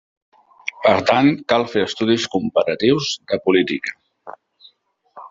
Per tant, cal fer estudis comparatius de política.